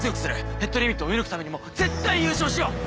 ヘッドリミットを追い抜くためにも絶対優勝しよう！